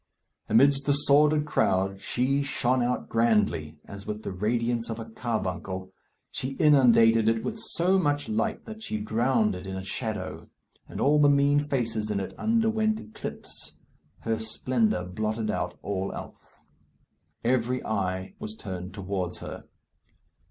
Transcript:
Amidst the sordid crowd she shone out grandly, as with the radiance of a carbuncle. She inundated it with so much light that she drowned it in shadow, and all the mean faces in it underwent eclipse. Her splendour blotted out all else. Every eye was turned towards her.